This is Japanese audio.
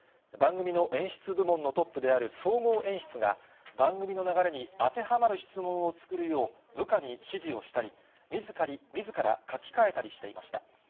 番組の演出部門のトップである総合演出が、番組の流れに当てはまる質問を作るよう、部下に指示をしたり、みずから書き換えたりしていました。